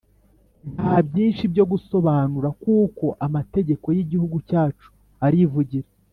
Ntabyinshi byo gusobanura kuko amategeko y’igihugu cyacu arivugira